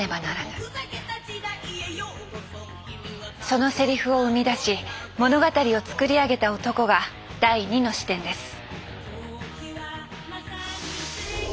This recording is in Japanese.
そのセリフを生み出し物語を作り上げた男が第２の視点です。